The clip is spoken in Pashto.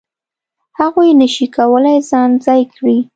هغوی نه شي کولای ځان ځای کړي.